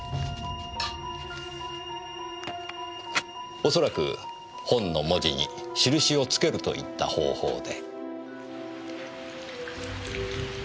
おそらく本の文字に印を付けるといった方法で。